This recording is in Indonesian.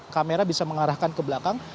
kamera bisa mengarahkan ke belakang